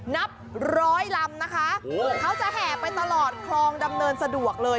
นับร้อยลำนะคะเขาจะแห่ไปตลอดคลองดำเนินสะดวกเลย